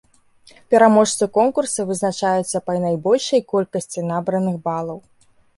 Пераможцы конкурса вызначаюцца па найбольшай колькасці набраных балаў.